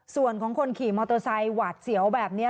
ส่วนของคนขี่มอเตอร์ไซค์หวาดเสียวแบบนี้